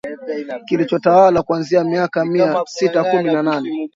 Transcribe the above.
Kilichotawala kuanzia miaka ya mia sita kumi na nane